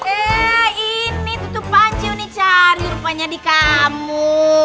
eh ini tutup panci cari rupanya di kamu